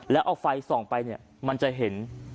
แล้วเอาไฟส่องไปเนี่ยมันจะเห็น